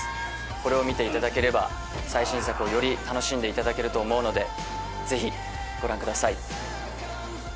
これを見ていただければ最新作をより楽しんでいただけると思うのでぜひご覧ください。